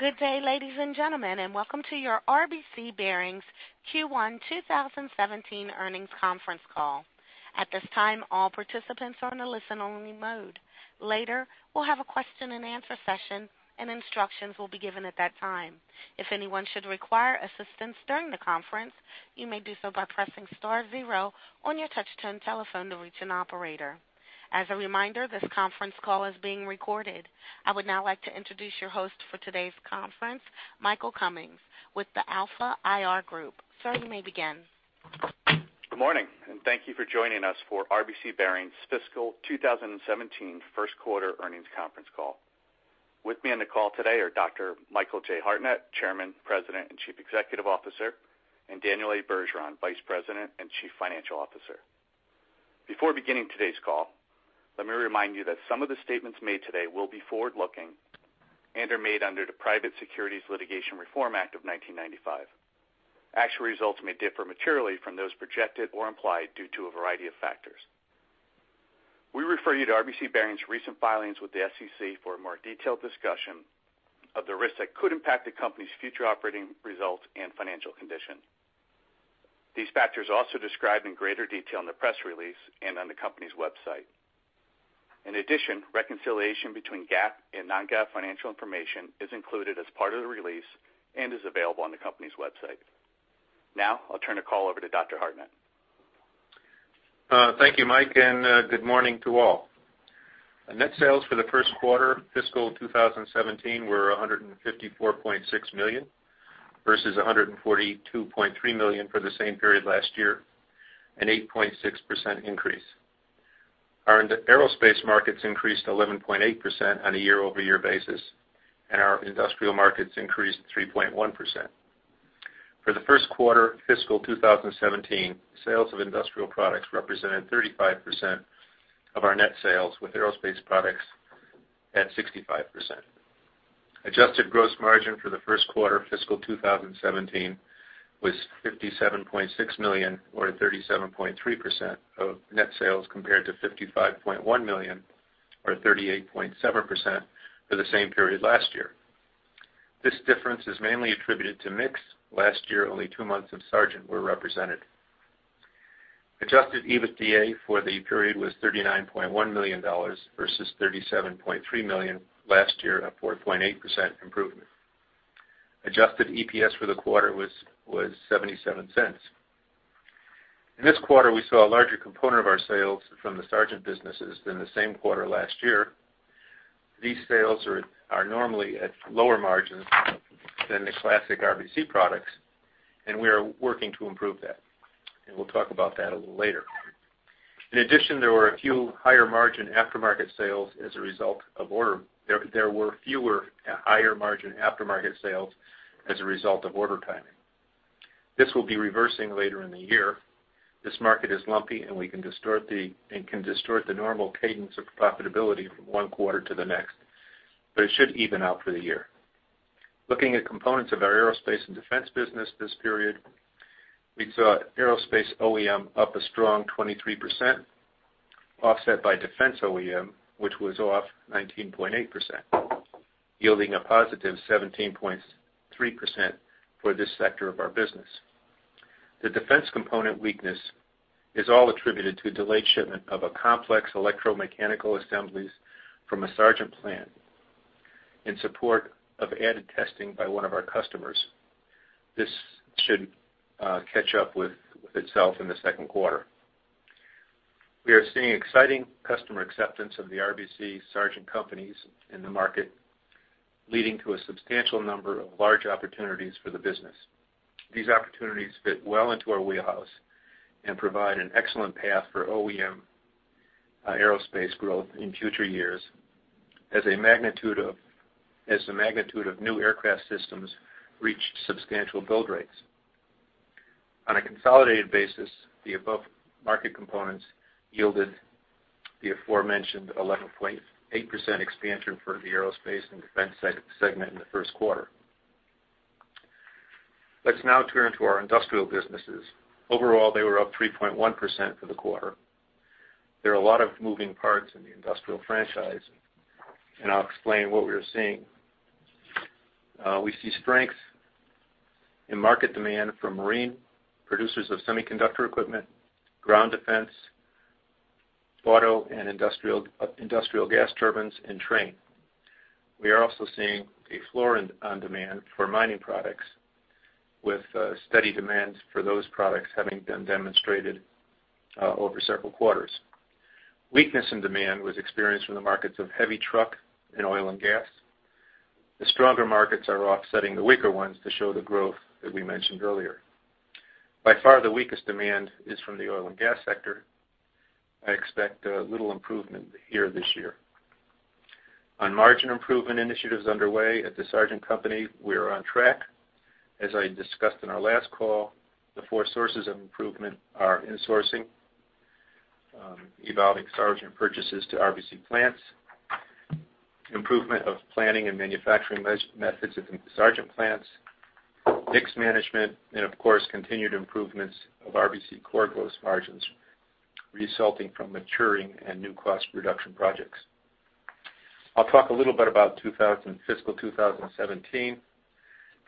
Good day, ladies and gentlemen, and welcome to your RBC Bearings Q1 2017 earnings conference call. At this time, all participants are in a listen-only mode. Later, we'll have a question-and-answer session, and instructions will be given at that time. If anyone should require assistance during the conference, you may do so by pressing star zero on your touch-tone telephone to reach an operator. As a reminder, this conference call is being recorded. I would now like to introduce your host for today's conference, Michael Cummings, with the Alpha IR Group. Sir, you may begin. Good morning, and thank you for joining us for RBC Bearings' fiscal 2017 first-quarter earnings conference call. With me on the call today are Dr. Michael J. Hartnett, Chairman, President, and Chief Executive Officer, and Daniel Bergeron, Vice President and Chief Financial Officer. Before beginning today's call, let me remind you that some of the statements made today will be forward-looking and are made under the Private Securities Litigation Reform Act of 1995. Actual results may differ materially from those projected or implied due to a variety of factors. We refer you to RBC Bearings' recent filings with the SEC for a more detailed discussion of the risks that could impact the company's future operating results and financial condition. These factors are also described in greater detail in the press release and on the company's website. In addition, reconciliation between GAAP and non-GAAP financial information is included as part of the release and is available on the company's website. Now, I'll turn the call over to Dr. Hartnett. Thank you, Mike, and good morning to all. Net sales for the first quarter fiscal 2017 were $154.6 million versus $142.3 million for the same period last year, an 8.6% increase. Our aerospace markets increased 11.8% on a year-over-year basis, and our industrial markets increased 3.1%. For the first quarter fiscal 2017, sales of industrial products represented 35% of our net sales, with aerospace products at 65%. Adjusted gross margin for the first quarter fiscal 2017 was $57.6 million, or 37.3% of net sales, compared to $55.1 million, or 38.7% for the same period last year. This difference is mainly attributed to mix; last year, only two months of Sargent were represented. Adjusted EBITDA for the period was $39.1 million versus $37.3 million last year, a 4.8% improvement. Adjusted EPS for the quarter was $0.77. In this quarter, we saw a larger component of our sales from the Sargent businesses than the same quarter last year. These sales are normally at lower margins than the classic RBC products, and we are working to improve that, and we'll talk about that a little later. In addition, there were fewer higher-margin aftermarket sales as a result of order timing. This will be reversing later in the year. This market is lumpy, and it can distort the normal cadence of profitability from one quarter to the next, but it should even out for the year. Looking at components of our aerospace and defense business this period, we saw aerospace OEM up a strong 23%, offset by defense OEM, which was off 19.8%, yielding a positive 17.3% for this sector of our business. The defense component weakness is all attributed to delayed shipment of a complex electromechanical assemblies from a Sargent plant in support of added testing by one of our customers. This should catch up with itself in the second quarter. We are seeing exciting customer acceptance of the RBC Sargent companies in the market, leading to a substantial number of large opportunities for the business. These opportunities fit well into our wheelhouse and provide an excellent path for OEM aerospace growth in future years as the magnitude of new aircraft systems reach substantial build rates. On a consolidated basis, the above market components yielded the aforementioned 11.8% expansion for the aerospace and defense segment in the first quarter. Let's now turn to our industrial businesses. Overall, they were up 3.1% for the quarter. There are a lot of moving parts in the industrial franchise, and I'll explain what we are seeing. We see strength in market demand for marine, producers of semiconductor equipment, ground defense, auto and industrial gas turbines, and train. We are also seeing a floor on demand for mining products, with steady demand for those products having been demonstrated over several quarters. Weakness in demand was experienced from the markets of heavy truck and oil and gas. The stronger markets are offsetting the weaker ones to show the growth that we mentioned earlier. By far, the weakest demand is from the oil and gas sector. I expect little improvement here this year. On margin improvement initiatives underway at the Sargent company, we are on track. As I discussed in our last call, the four sources of improvement are insourcing, evolving Sargent purchases to RBC plants, improvement of planning and manufacturing methods at the Sargent plants, mix management, and, of course, continued improvements of RBC core gross margins resulting from maturing and new cost reduction projects. I'll talk a little bit about fiscal 2017.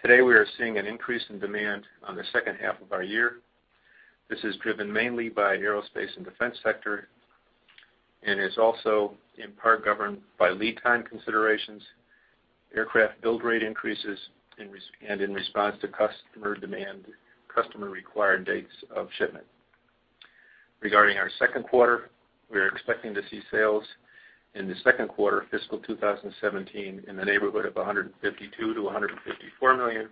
Today, we are seeing an increase in demand on the second half of our year. This is driven mainly by aerospace and defense sector and is also in part governed by lead time considerations, aircraft build rate increases, and in response to customer required dates of shipment. Regarding our second quarter, we are expecting to see sales in the second quarter fiscal 2017 in the neighborhood of $152 million-$154 million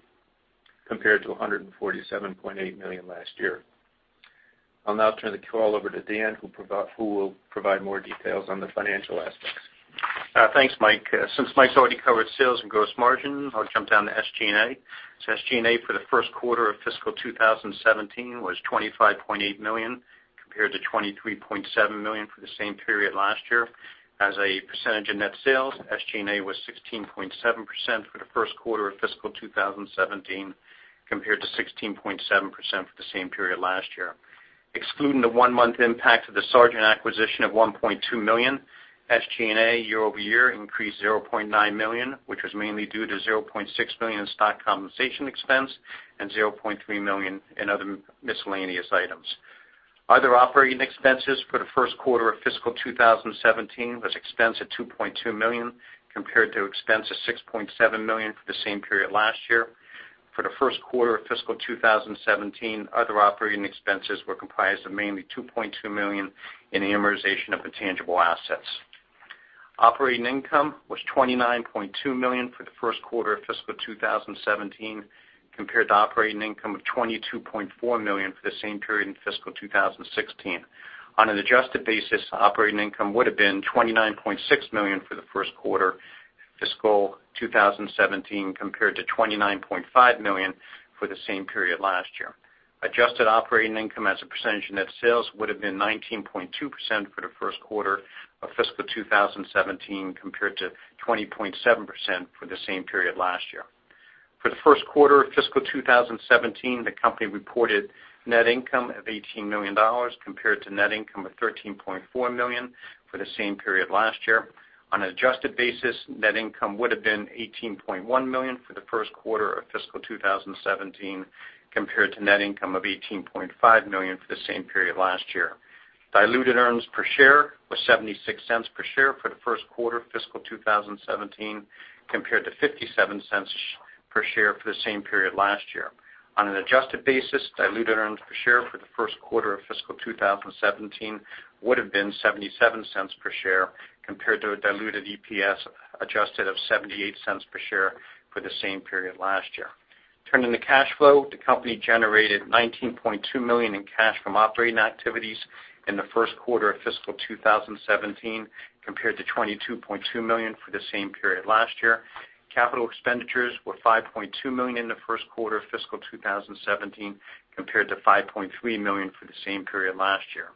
compared to $147.8 million last year. I'll now turn the call over to Dan, who will provide more details on the financial aspects. Thanks, Mike. Since Mike's already covered sales and gross margin, I'll jump down to SG&A. SG&A for the first quarter of fiscal 2017 was $25.8 million compared to $23.7 million for the same period last year. As a percentage of net sales, SG&A was 16.7% for the first quarter of fiscal 2017 compared to 16.7% for the same period last year. Excluding the one-month impact of the Sargent acquisition of $1.2 million, SG&A year-over-year increased $0.9 million, which was mainly due to $0.6 million in stock compensation expense and $0.3 million in other miscellaneous items. Other operating expenses for the first quarter of fiscal 2017 were expense of $2.2 million compared to expense of $6.7 million for the same period last year. For the first quarter of fiscal 2017, other operating expenses were comprised of mainly $2.2 million in amortization of intangible assets. Operating income was $29.2 million for the first quarter of fiscal 2017 compared to operating income of $22.4 million for the same period in fiscal 2016. On an adjusted basis, operating income would have been $29.6 million for the first quarter fiscal 2017 compared to $29.5 million for the same period last year. Adjusted operating income as a percentage of net sales would have been 19.2% for the first quarter of fiscal 2017 compared to 20.7% for the same period last year. For the first quarter of fiscal 2017, the company reported net income of $18 million compared to net income of $13.4 million for the same period last year. On an adjusted basis, net income would have been $18.1 million for the first quarter of fiscal 2017 compared to net income of $18.5 million for the same period last year. Diluted earnings per share were $0.76 per share for the first quarter fiscal 2017 compared to $0.57 per share for the same period last year. On an adjusted basis, diluted earnings per share for the first quarter of fiscal 2017 would have been $0.77 per share compared to an adjusted diluted EPS of $0.78 per share for the same period last year. Turning to cash flow, the company generated $19.2 million in cash from operating activities in the first quarter of fiscal 2017 compared to $22.2 million for the same period last year. Capital expenditures were $5.2 million in the first quarter of fiscal 2017 compared to $5.3 million for the same period last year.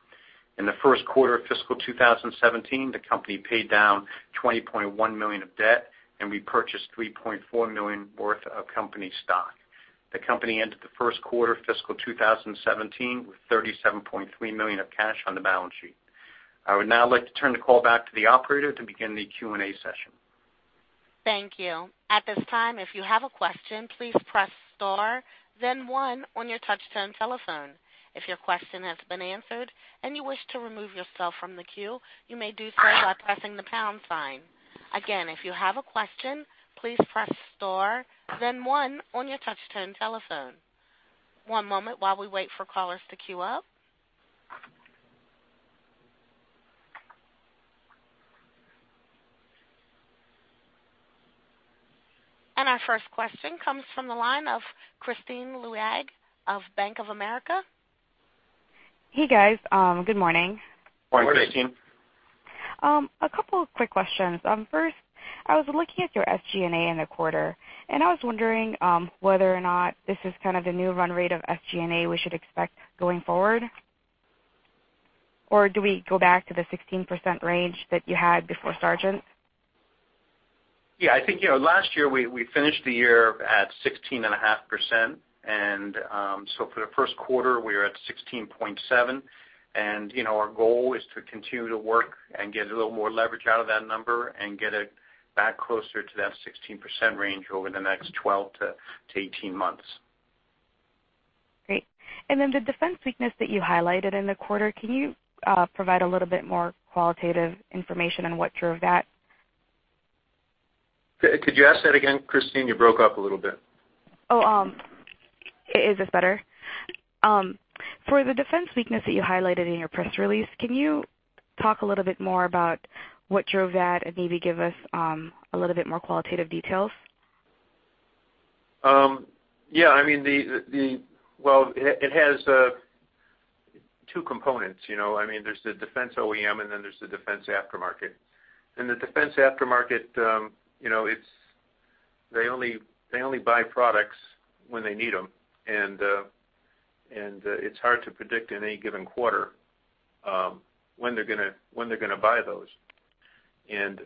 In the first quarter of fiscal 2017, the company paid down $20.1 million of debt, and we purchased $3.4 million worth of company stock. The company ended the first quarter fiscal 2017 with $37.3 million of cash on the balance sheet. I would now like to turn the call back to the operator to begin the Q&A session. Thank you. At this time, if you have a question, please press star, then one, on your touch-tone telephone. If your question has been answered and you wish to remove yourself from the queue, you may do so by pressing the pound sign. Again, if you have a question, please press star, then one, on your touch-tone telephone. One moment while we wait for callers to queue up. Our first question comes from the line of Kristine Liwag of Bank of America. Hey, guys. Good morning. Morning, Kristine. A couple of quick questions. First, I was looking at your SG&A in the quarter, and I was wondering whether or not this is kind of the new run rate of SG&A we should expect going forward, or do we go back to the 16% range that you had before Sargent? Yeah, I think last year we finished the year at 16.5%, and so for the first quarter, we were at 16.7%. Our goal is to continue to work and get a little more leverage out of that number and get it back closer to that 16% range over the next 12-18 months. Great. And then the defense weakness that you highlighted in the quarter, can you provide a little bit more qualitative information on what drove that? Could you ask that again, Kristine? You broke up a little bit. Oh, is this better? For the defense weakness that you highlighted in your press release, can you talk a little bit more about what drove that and maybe give us a little bit more qualitative details? Yeah, I mean, well, it has two components. I mean, there's the defense OEM, and then there's the defense aftermarket. And the defense aftermarket, they only buy products when they need them, and it's hard to predict in any given quarter when they're going to buy those. And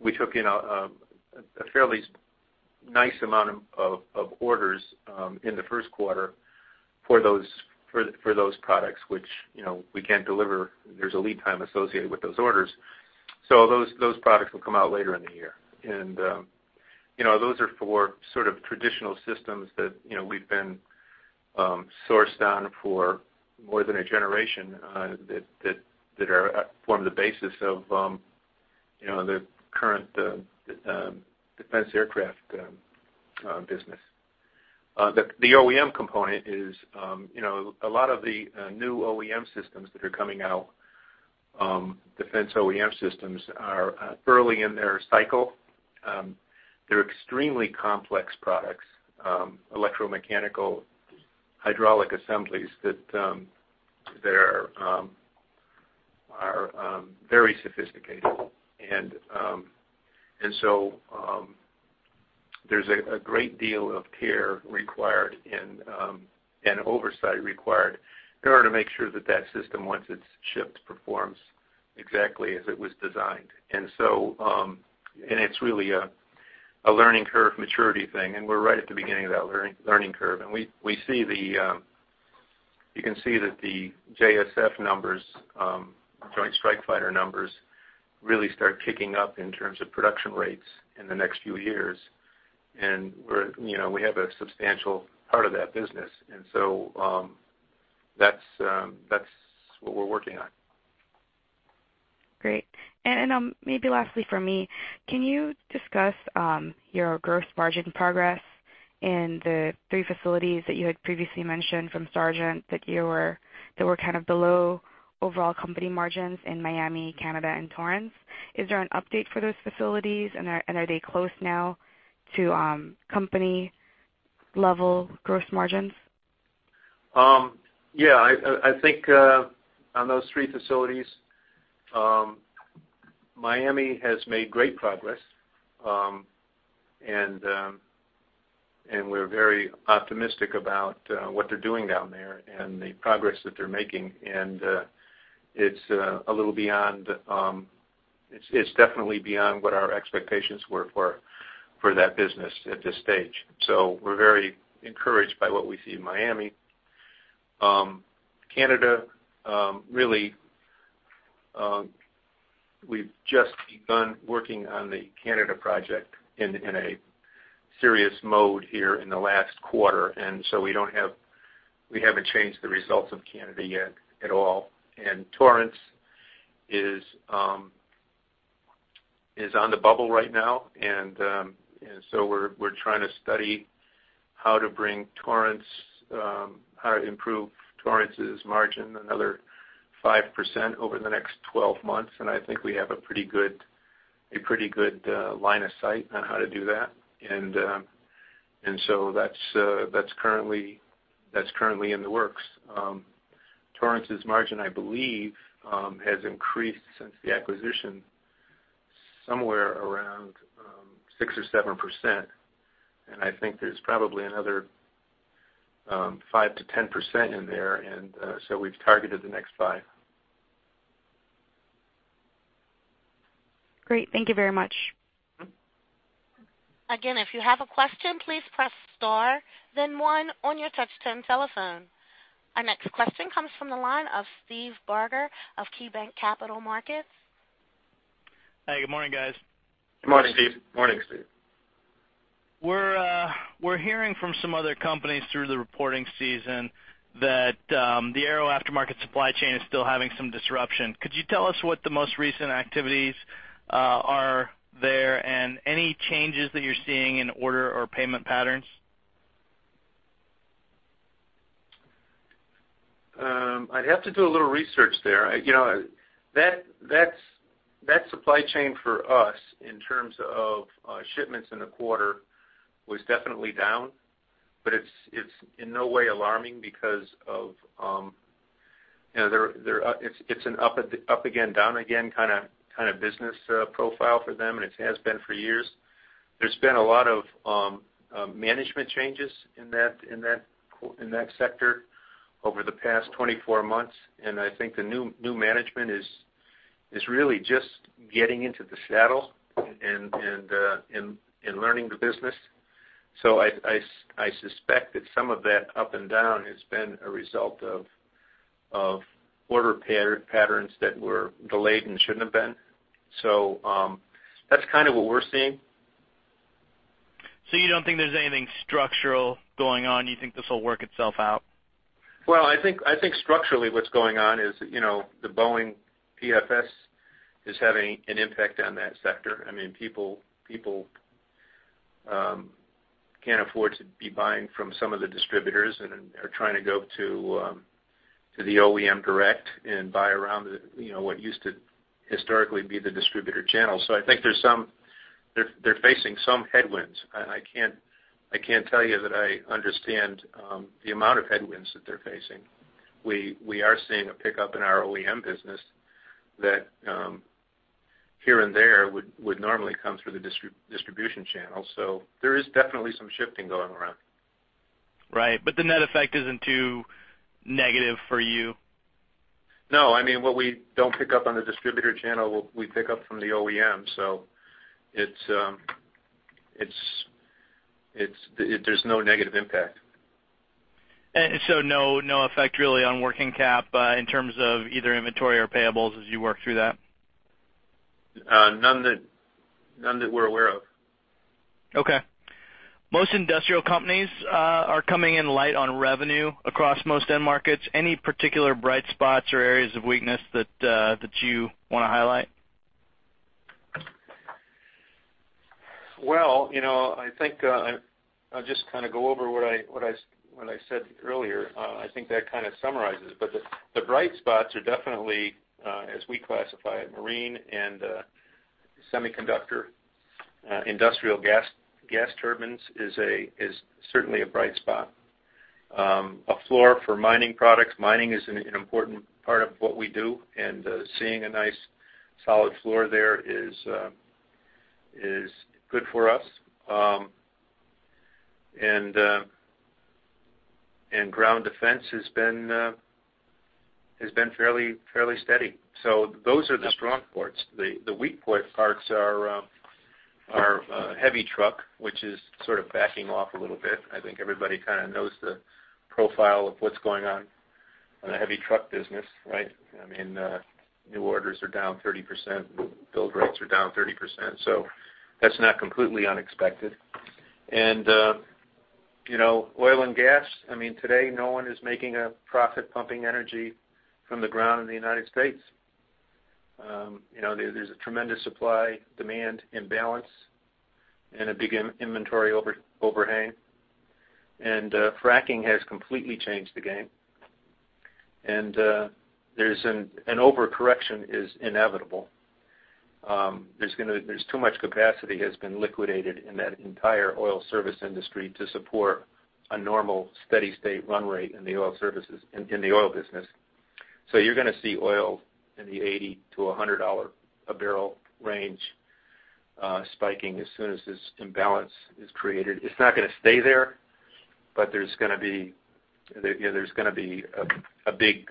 we took in a fairly nice amount of orders in the first quarter for those products, which we can't deliver. There's a lead time associated with those orders. So those products will come out later in the year. And those are for sort of traditional systems that we've been sourced on for more than a generation that form the basis of the current defense aircraft business. The OEM component is a lot of the new OEM systems that are coming out. Defense OEM systems are early in their cycle. They're extremely complex products, electromechanical hydraulic assemblies that are very sophisticated. There's a great deal of care required and oversight required in order to make sure that that system, once it's shipped, performs exactly as it was designed. It's really a learning curve maturity thing, and we're right at the beginning of that learning curve. And we see you can see that the JSF numbers, Joint Strike Fighter numbers, really start kicking up in terms of production rates in the next few years. We have a substantial part of that business, and so that's what we're working on. Great. And maybe lastly from me, can you discuss your gross margin progress in the three facilities that you had previously mentioned from Sargent that were kind of below overall company margins in Miami, Canada, and Torrance? Is there an update for those facilities, and are they close now to company-level gross margins? Yeah, I think on those three facilities, Miami has made great progress, and we're very optimistic about what they're doing down there and the progress that they're making. And it's a little beyond it's definitely beyond what our expectations were for that business at this stage. So we're very encouraged by what we see in Miami. Canada, really, we've just begun working on the Canada project in a serious mode here in the last quarter, and so we haven't changed the results of Canada yet at all. And Torrance is on the bubble right now, and so we're trying to study how to bring Torrance how to improve Torrance's margin another 5% over the next 12 months. And I think we have a pretty good line of sight on how to do that, and so that's currently in the works. Torrance's margin, I believe, has increased since the acquisition somewhere around 6 or 7%, and I think there's probably another 5%-10% in there. And so we've targeted the next 5. Great. Thank you very much. Again, if you have a question, please press star, then one, on your touch-tone telephone. Our next question comes from the line of Steve Barger of KeyBanc Capital Markets. Hey, good morning, guys. Good morning, Steve. Morning, Steve. We're hearing from some other companies through the reporting season that the aero aftermarket supply chain is still having some disruption. Could you tell us what the most recent activities are there and any changes that you're seeing in order or payment patterns? I'd have to do a little research there. That supply chain for us, in terms of shipments in the quarter, was definitely down, but it's in no way alarming because it's an up again, down again kind of business profile for them, and it has been for years. There's been a lot of management changes in that sector over the past 24 months, and I think the new management is really just getting into the saddle and learning the business. So I suspect that some of that up and down has been a result of order patterns that were delayed and shouldn't have been. So that's kind of what we're seeing. So you don't think there's anything structural going on? You think this will work itself out? Well, I think structurally, what's going on is the Boeing PFS is having an impact on that sector. I mean, people can't afford to be buying from some of the distributors and are trying to go to the OEM direct and buy around what used to historically be the distributor channel. So I think they're facing some headwinds, and I can't tell you that I understand the amount of headwinds that they're facing. We are seeing a pickup in our OEM business that here and there would normally come through the distribution channel. So there is definitely some shifting going around. Right, but the net effect isn't too negative for you? No, I mean, what we don't pick up on the distributor channel, we pick up from the OEM, so there's no negative impact. And so no effect really on working cap in terms of either inventory or payables as you work through that? None that we're aware of. Okay. Most industrial companies are coming in light on revenue across most end markets. Any particular bright spots or areas of weakness that you want to highlight? Well, I think I'll just kind of go over what I said earlier. I think that kind of summarizes, but the bright spots are definitely, as we classify it, marine and semiconductor. Industrial gas turbines is certainly a bright spot, a floor for mining products. Mining is an important part of what we do, and seeing a nice solid floor there is good for us. Ground defense has been fairly steady. So those are the strong ports. The weak parts are heavy truck, which is sort of backing off a little bit. I think everybody kind of knows the profile of what's going on in the heavy truck business, right? I mean, new orders are down 30%, build rates are down 30%. So that's not completely unexpected. Oil and gas, I mean, today, no one is making a profit pumping energy from the ground in the United States. There's a tremendous supply-demand imbalance and a big inventory overhang. Fracking has completely changed the game, and an overcorrection is inevitable. There's too much capacity that has been liquidated in that entire oil service industry to support a normal steady-state run rate in the oil business. So you're going to see oil in the $80-$100 a barrel range spiking as soon as this imbalance is created. It's not going to stay there, but there's going to be a big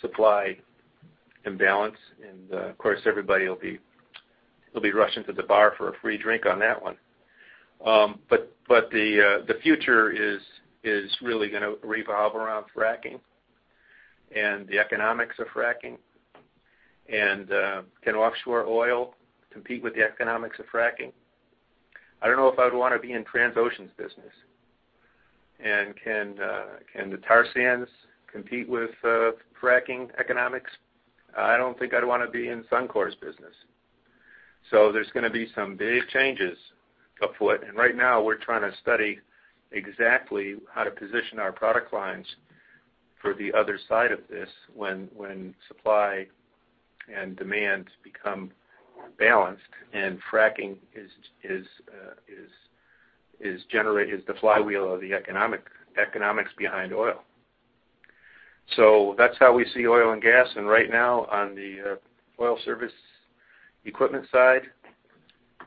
supply imbalance, and of course, everybody will be rushing to the bar for a free drink on that one. The future is really going to revolve around fracking and the economics of fracking. Can offshore oil compete with the economics of fracking? I don't know if I would want to be in Transocean's business. Can the Tar Sands compete with fracking economics? I don't think I'd want to be in Suncor's business. There's going to be some big changes up front. Right now, we're trying to study exactly how to position our product lines for the other side of this when supply and demand become balanced, and fracking is the flywheel of the economics behind oil. That's how we see oil and gas. Right now, on the oil service equipment side,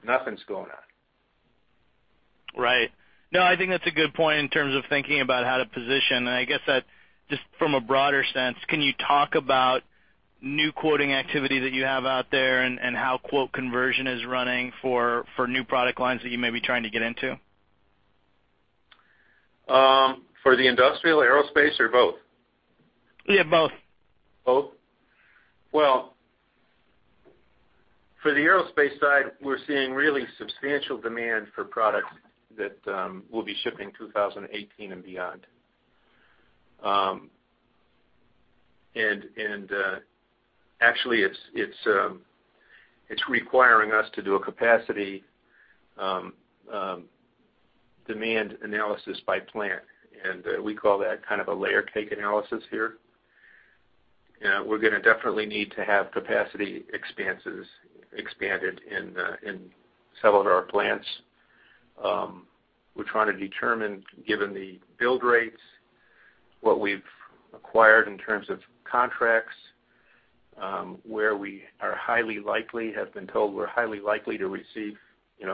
nothing's going on. Right. No, I think that's a good point in terms of thinking about how to position. And I guess that, just from a broader sense, can you talk about new quoting activity that you have out there and how quote conversion is running for new product lines that you may be trying to get into? For the industrial, aerospace, or both? Yeah, both. Both? Well, for the aerospace side, we're seeing really substantial demand for products that will be shipping 2018 and beyond. Actually, it's requiring us to do a capacity demand analysis by plant, and we call that kind of a layer cake analysis here. We're going to definitely need to have capacity expansions in several of our plants. We're trying to determine, given the build rates, what we've acquired in terms of contracts, where we are highly likely have been told we're highly likely to receive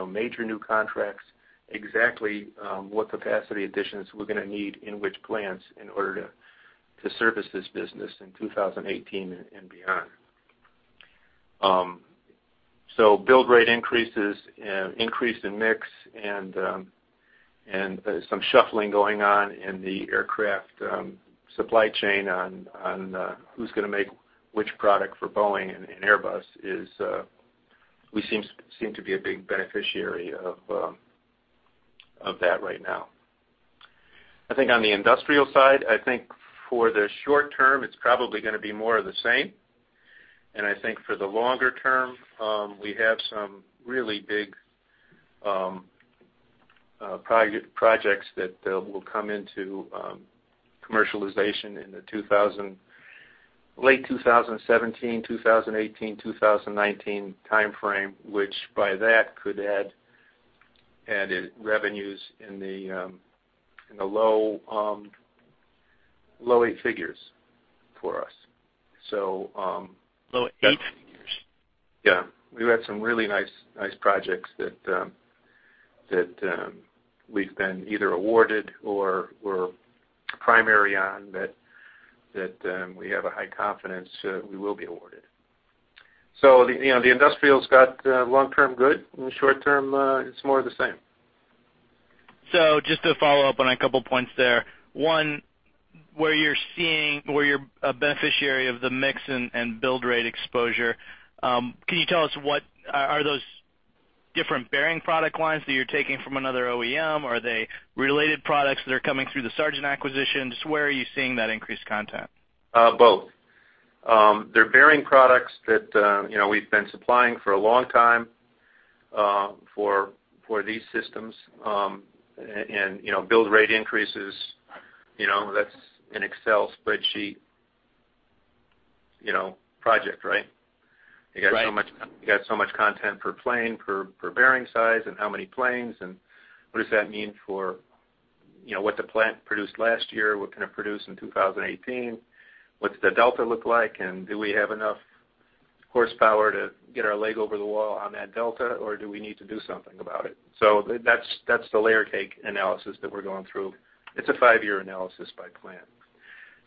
major new contracts, exactly what capacity additions we're going to need in which plants in order to service this business in 2018 and beyond. So, build rate increases, increase in mix, and some shuffling going on in the aircraft supply chain on who's going to make which product for Boeing and Airbus, we seem to be a big beneficiary of that right now. I think on the industrial side, I think for the short term, it's probably going to be more of the same. I think for the longer term, we have some really big projects that will come into commercialization in the late 2017, 2018, 2019 timeframe, which by that could add revenues in the low eight figures for us. Low-eight figures? Yeah. We've had some really nice projects that we've been either awarded or were primary on that we have a high confidence we will be awarded. So the industrial's got long-term good. In the short term, it's more of the same. So just to follow up on a couple of points there. One, where you're seeing you're a beneficiary of the mix and build rate exposure, can you tell us what are those different bearing product lines that you're taking from another OEM? Are they related products that are coming through the Sargent acquisition? Just where are you seeing that increased content? Both. They're bearing products that we've been supplying for a long time for these systems. And build rate increases, that's an Excel spreadsheet project, right? You got so much content per plane, per bearing size, and how many planes, and what does that mean for what the plant produced last year, what can it produce in 2018? What's the delta look like, and do we have enough horsepower to get our leg over the wall on that delta, or do we need to do something about it? So that's the layer cake analysis that we're going through. It's a five-year analysis by plant.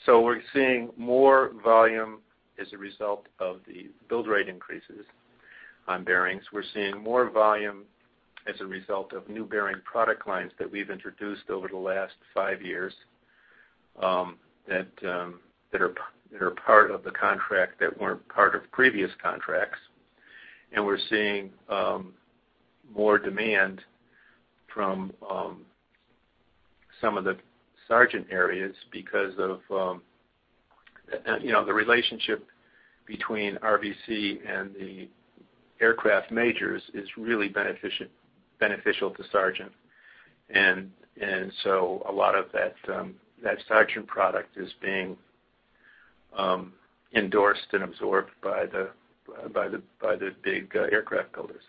So we're seeing more volume as a result of the build rate increases on bearings. We're seeing more volume as a result of new bearing product lines that we've introduced over the last five years that are part of the contract that weren't part of previous contracts. We're seeing more demand from some of the Sargent areas because of the relationship between RBC and the aircraft majors is really beneficial to Sargent. So a lot of that Sargent product is being endorsed and absorbed by the big aircraft builders.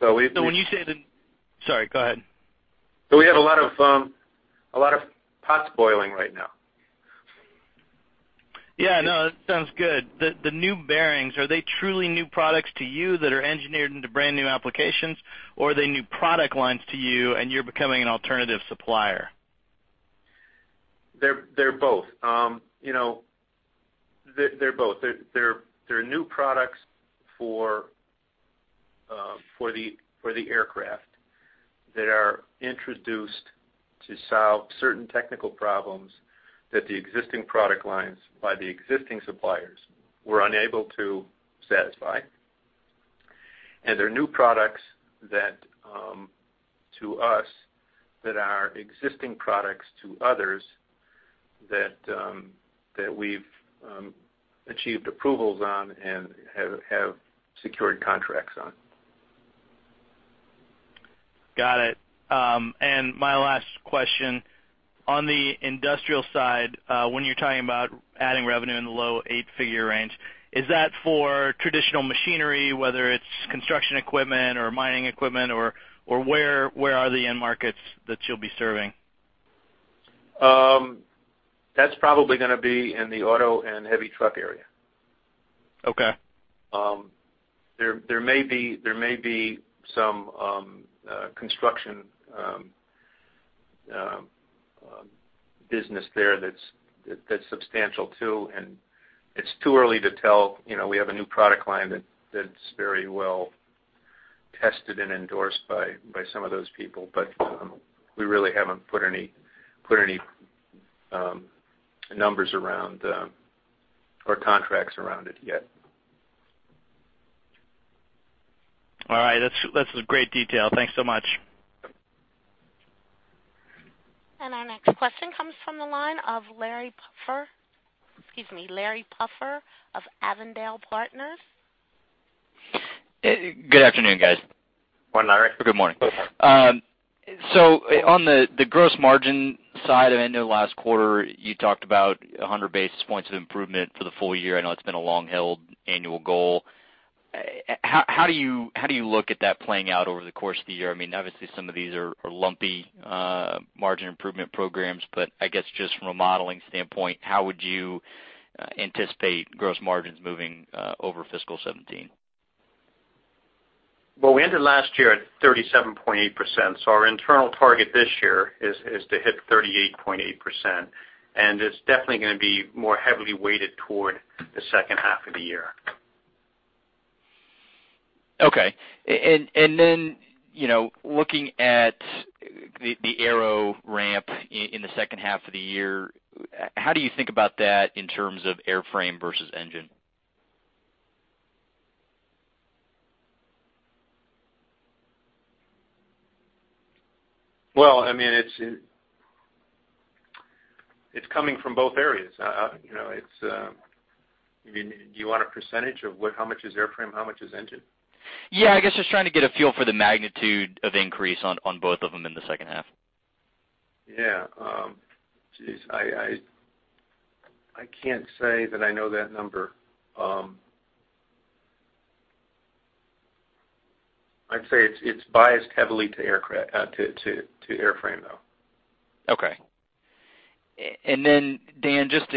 So we've been. So, when you say the sorry, go ahead. So we have a lot of pots boiling right now. Yeah, no, that sounds good. The new bearings, are they truly new products to you that are engineered into brand new applications, or are they new product lines to you and you're becoming an alternative supplier? They're both. They're new products for the aircraft that are introduced to solve certain technical problems that the existing product lines by the existing suppliers were unable to satisfy. They're new products to us that are existing products to others that we've achieved approvals on and have secured contracts on. Got it. My last question. On the industrial side, when you're talking about adding revenue in the low-8-figure range, is that for traditional machinery, whether it's construction equipment or mining equipment, or where are the end markets that you'll be serving? That's probably going to be in the auto and heavy truck area. There may be some construction business there that's substantial too, and it's too early to tell. We have a new product line that's very well tested and endorsed by some of those people, but we really haven't put any numbers around or contracts around it yet. All right. That's great detail. Thanks so much. Our next question comes from the line of Larry De Maria. Excuse me, Larry De Maria of Avondale Partners. Good afternoon, guys. Morning, Larry. Good morning. So on the gross margin side of end of last quarter, you talked about 100 basis points of improvement for the full year. I know it's been a long-held annual goal. How do you look at that playing out over the course of the year? I mean, obviously, some of these are lumpy margin improvement programs, but I guess just from a modeling standpoint, how would you anticipate gross margins moving over fiscal 2017? Well, we ended last year at 37.8%, so our internal target this year is to hit 38.8%, and it's definitely going to be more heavily weighted toward the second half of the year. Okay. And then looking at the aero ramp in the second half of the year, how do you think about that in terms of airframe versus engine? Well, I mean, it's coming from both areas. Do you want a percentage of how much is airframe, how much is engine? Yeah, I guess just trying to get a feel for the magnitude of increase on both of them in the second half. Yeah. Jeez, I can't say that I know that number. I'd say it's biased heavily to airframe, though. Okay. And then, Dan, just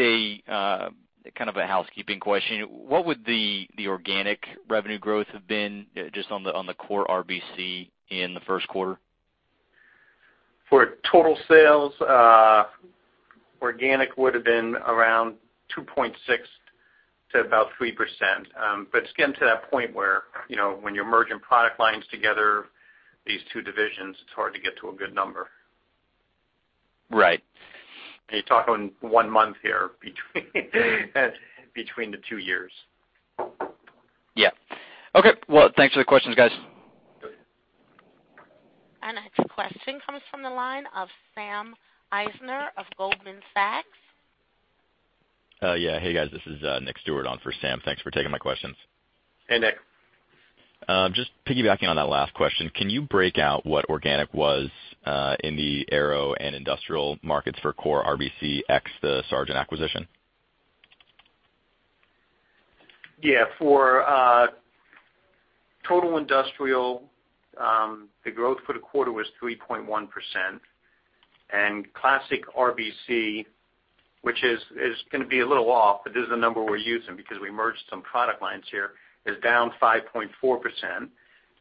kind of a housekeeping question. What would the organic revenue growth have been just on the core RBC in the first quarter? For total sales, organic would have been around 2.6%-3%. But it's getting to that point where when you're merging product lines together, these two divisions, it's hard to get to a good number. You're talking one month here between the two years. Yeah. Okay. Well, thanks for the questions, guys. The next question comes from the line of Sam Eisner of Goldman Sachs. Oh, yeah. Hey, guys. This is Nick Stewart on for Sam. Thanks for taking my questions. Hey, Nick. Just piggybacking on that last question, can you break out what organic was in the aero and industrial markets for core RBC ex the Sargent acquisition? Yeah. For total industrial, the growth for the quarter was 3.1%. Classic RBC, which is going to be a little off, but this is the number we're using because we merged some product lines here, is down 5.4%,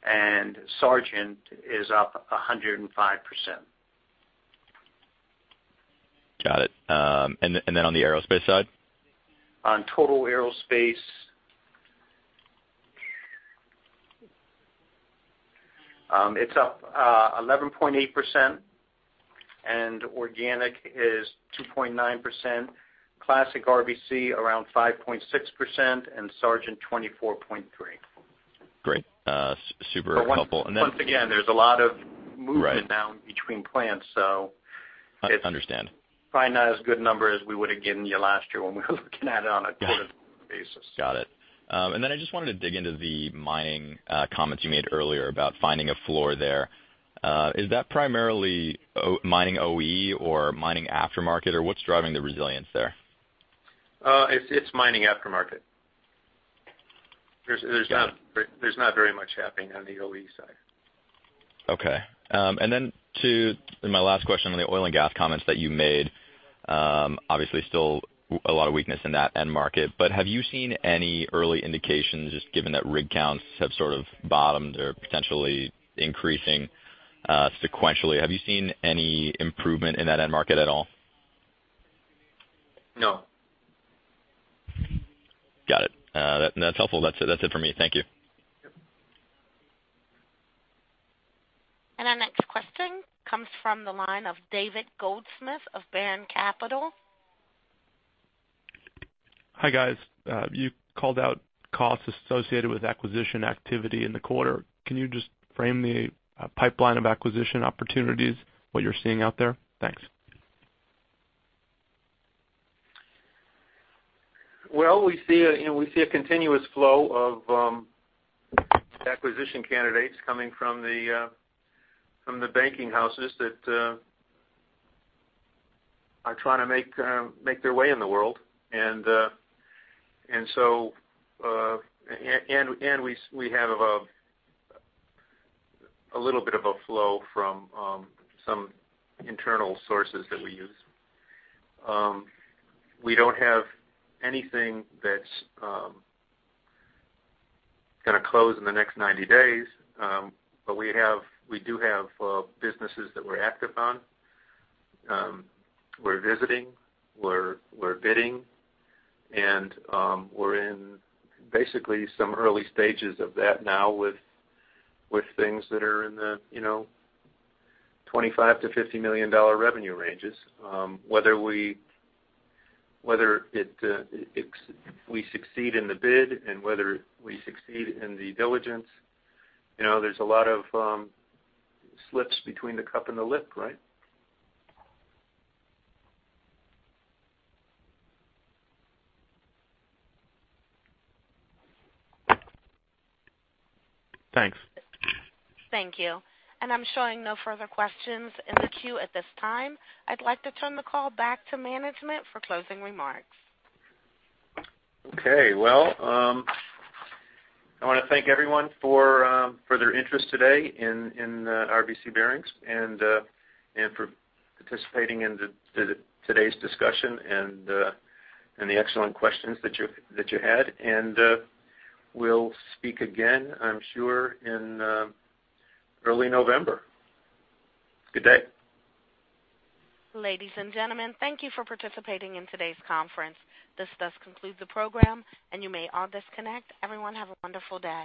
and Sargent is up 105%. Got it. And then on the aerospace side? On total aerospace, it's up 11.8%, and organic is 2.9%. Classic RBC around 5.6%, and Sargent 24.3%. Great. Super helpful. And then. Once again, there's a lot of movement down between plants, so it's. I understand. Probably not as good a number as we would have given you last year when we were looking at it on a quarterly basis. Got it. And then I just wanted to dig into the mining comments you made earlier about finding a floor there. Is that primarily mining OE or mining aftermarket, or what's driving the resilience there? It's mining aftermarket. There's not very much happening on the OE side. Okay. And then to my last question on the oil and gas comments that you made, obviously, still a lot of weakness in that end market, but have you seen any early indications, just given that rig counts have sort of bottomed or potentially increasing sequentially? Have you seen any improvement in that end market at all? No. Got it. That's helpful. That's it for me. Thank you. Our next question comes from the line of David Goldsmith of Baron Capital. Hi, guys. You called out costs associated with acquisition activity in the quarter. Can you just frame the pipeline of acquisition opportunities, what you're seeing out there? Thanks. Well, we see a continuous flow of acquisition candidates coming from the banking houses that are trying to make their way in the world. And so we have a little bit of a flow from some internal sources that we use. We don't have anything that's going to close in the next 90 days, but we do have businesses that we're active on. We're visiting. We're bidding. And we're in basically some early stages of that now with things that are in the $25 million-$50 million revenue ranges. Whether we succeed in the bid and whether we succeed in the diligence, there's a lot of slips between the cup and the lip, right? Thanks. Thank you. I'm showing no further questions in the queue at this time. I'd like to turn the call back to management for closing remarks. Okay. Well, I want to thank everyone for their interest today in RBC Bearings and for participating in today's discussion and the excellent questions that you had. We'll speak again, I'm sure, in early November. Good day. Ladies and gentlemen, thank you for participating in today's conference. This does conclude the program, and you may all disconnect. Everyone have a wonderful day.